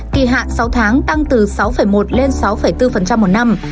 kỳ hạn sáu tháng tăng từ sáu một lên sáu bốn một năm